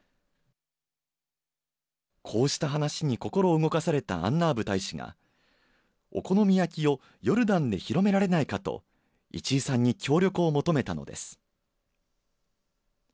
こうした話に心を動かされたアンナーブ大使がお好み焼きをヨルダンで広められないかと市居さんに協力を求めたのです。